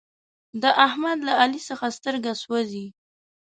د احمد له علي څخه سترګه سوزي.